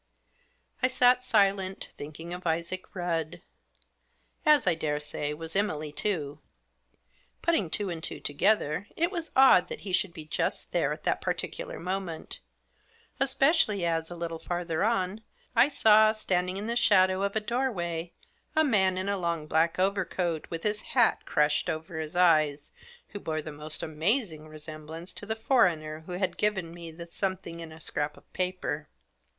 I sat silent, thinking of Isaac Rudd ; as, I daresay, was Emily too. Putting two and two together, it was odd that he should be just there at that particular moment. Especially as, a little farther on, I saw, standing in the shadow of a doorway, a man in a long black overcoat, with his hat crushed over his eyes, who bore the most amazing resemblance to the foreigner who had given me the something in a scrap of paper.